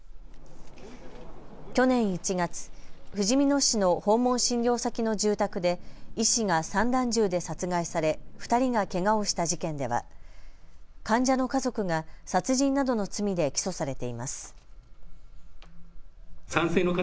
去年１月、ふじみ野市の訪問診療先の住宅で医師が散弾銃で殺害され２人がけがをした事件では患者の家族が殺人などの罪で起訴されています。